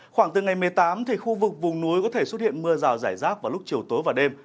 khoảng từ ngày một mươi tám thì khu vực vùng núi có thể xuất hiện mưa rào rải rác vào lúc chiều tối và đêm